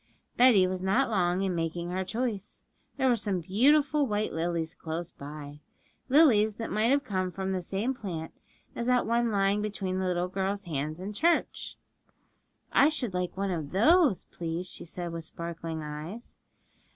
Betty was not long in making her choice. There were some beautiful white lilies close by lilies that might have come from the same plant as that one lying between the little girl's hands in church. 'I should like one of those, please,' she said, with sparkling eyes.